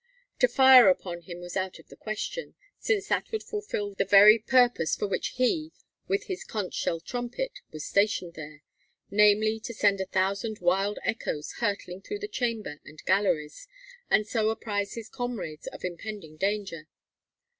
To fire upon him was out of the question, since that would fulfil the very purpose for which he, with his conch shell trumpet, was stationed there namely, to send a thousand wild echoes hurtling through chamber and galleries, and so apprise his comrades of impending danger.